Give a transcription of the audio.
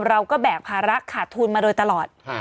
เราก็แบบภาระขาดทุนมาโดยตลอด